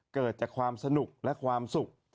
เกิดจากความสนุกและความสุข